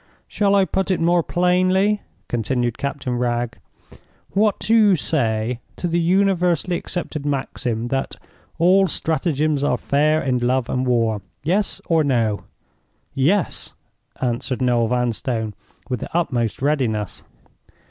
"Shall I put it more plainly?" continued Captain Wragge. "What do you say to the universally accepted maxim that 'all stratagems are fair in love and war'?—Yes or No?" "Yes!" answered Noel Vanstone, with the utmost readiness.